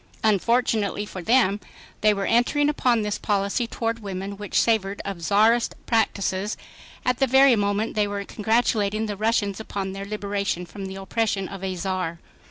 Unfortunately for them they were entering upon this policy toward women which savored of czarist practices, at the very moment they were congratulating the Russians upon their liberation from the oppression of a Czar.